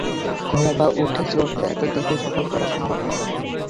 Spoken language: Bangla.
ঘোড়া বা উটে চড়ে এত দীর্ঘ সফর করা সম্ভব নয়।